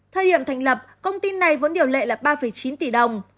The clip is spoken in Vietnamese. thời điểm thành lập công ty này vốn điều lệ là ba chín tỷ đồng